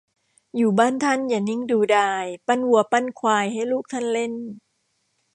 อยู่บ้านท่านอย่านิ่งดูดาย ปั้นวัวปั้นควายให้ลูกท่านเล่น